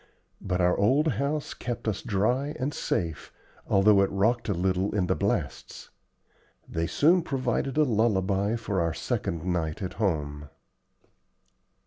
But our old house kept us dry and safe, although it rocked a little in the blasts. They soon proved a lullaby for our second night at home.